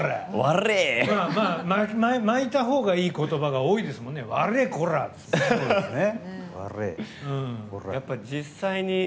巻いたほうがいい言葉が多いですもんね。